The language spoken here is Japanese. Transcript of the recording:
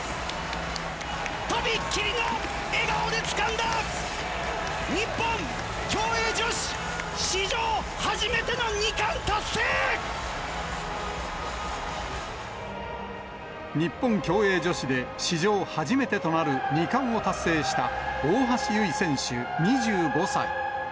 飛びっ切りの笑顔でつかんだ、日本競泳女子史上初めての２冠達日本競泳女子で、史上初めてとなる２冠を達成した大橋悠依選手２５歳。